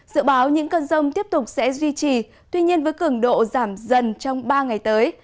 dự báo những cơn rông tiếp tục sẽ duy trì tuy nhiên với cường độ giảm dần trong ba ngày tới